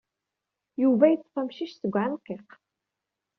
Yuba yeṭṭef amcic seg uɛenqiq.